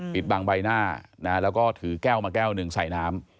ปิดบังใบหน้าแล้วก็ถือแก้วมาแก้วหนึ่งใส่น้ำ